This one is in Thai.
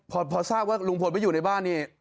พอทราบว่าลุงพลไม่อยู่ในบ้านนี่